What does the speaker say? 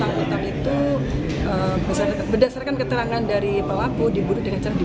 pembangunan dari ca ini adalah memang yang bersangkutan pelaku utama dalam pembunuhan anggota polisi